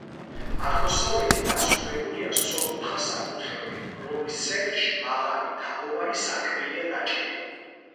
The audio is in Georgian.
აღმოსავლეთით დასრულებულია სწორკუთხა საკურთხევლით, რომლის ცენტრში მაღალი, თაღოვანი სარკმელია გაჭრილი.